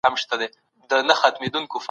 ګمرکي تعرفې د کورني صنعت ساتنه کوي.